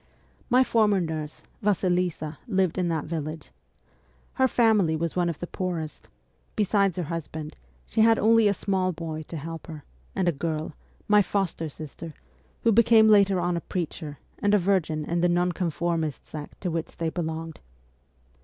My former nurse, Vasilisa, lived in that vil lage. Her family was one of the poorest ; besides her husband, she had only a small boy to help her, and a girl, my foster sister, who became later on a preacher and a ' Virgin ' in the Nonconformist 'sect to which they be longed.